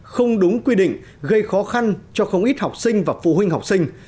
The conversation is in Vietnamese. không đúng quy định gây khó khăn cho không ít học sinh và phụ huynh học sinh